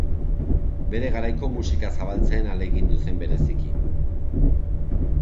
Bere garaiko musika zabaltzen ahalegindu zen bereziki.